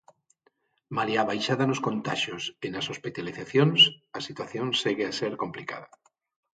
Malia a baixada nos contaxios e nas hospitalizacións, a situación segue a ser complicada.